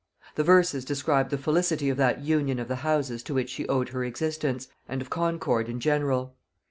The verses described the felicity of that union of the houses to which she owed her existence, and of concord in general.